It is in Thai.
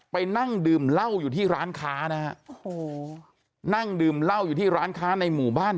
ไปนั่งดื่มเหล้าอยู่ที่ร้านค้านะฮะโอ้โหนั่งดื่มเหล้าอยู่ที่ร้านค้าในหมู่บ้าน